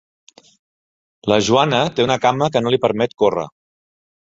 La Joana té una cama que no li permet córrer.